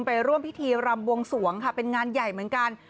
ไปร่วมพิธีรำบวงสวงค่ะเป็นงานใหญ่เหมือนกัน